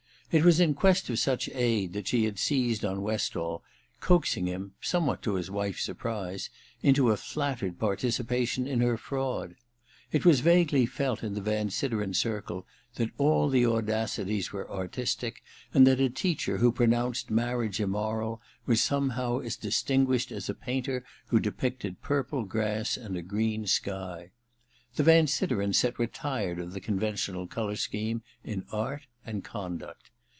It was in quest of such aid that she had seized on Westall, coaxing him, somewhat to his wife's surprise, into a flattered participation in her fraud. It was vaguely felt, in the Van Sideren circle, that all the audacities were artistic, and that a teacher who pronounced marriage immoral was somehow as distinguished as a painter who depicted purple grass and a green sky. The Van Sideren set were tired of the conventional colour scheme in art and conduct.